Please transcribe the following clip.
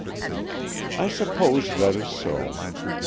"I suppose that is so.